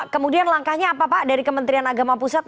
kemudian langkahnya apa pak dari kementerian agama pusat